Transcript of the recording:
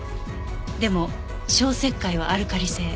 でも消石灰はアルカリ性。